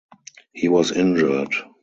He was injured.